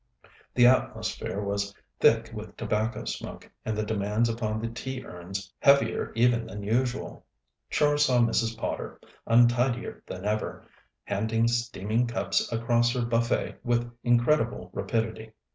The atmosphere was thick with tobacco smoke, and the demands upon the tea urns heavier even than usual. Char saw Mrs. Potter, untidier than ever, handing steaming cups across her buffet with incredible rapidity.